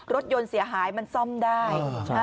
รถยนต์เสียหายมันซ่อมได้